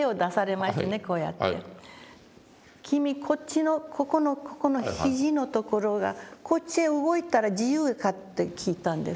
こうやって「君こっちのここの肘のところがこっちへ動いたら自由か？」って聞いたんです。